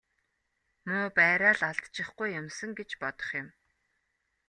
Муу байраа л алдчихгүй юмсан гэж бодох юм.